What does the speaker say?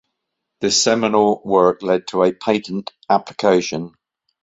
This seminal work led to a patent application.